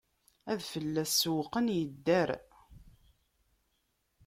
Ad fell-as sewwqen, idder.